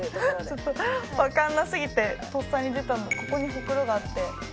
ちょっと分かんなすぎて、とっさに出たの、ここにほくろがあって。